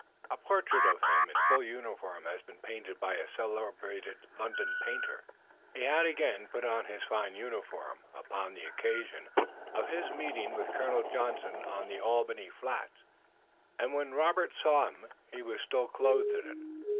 A portrait of him in full uniform had been painted by a celebrated London painter. He had again put on his fine uniform upon the occasion of his meeting with Colonel Johnson on the Albany flats, and when Robert saw him he was still clothed in it.